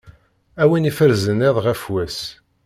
A win iferzen iḍ ɣef wass.